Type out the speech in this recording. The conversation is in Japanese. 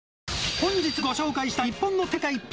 本日ご紹介した日本の天下逸品。